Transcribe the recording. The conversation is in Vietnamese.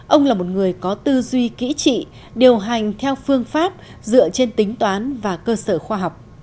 ông là một người có tư duy kỹ trị điều hành theo phương pháp dựa trên tính toán và cơ sở khoa học